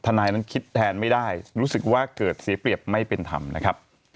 นายนั้นคิดแทนไม่ได้รู้สึกว่าเกิดเสียเปรียบไม่เป็นธรรมนะครับ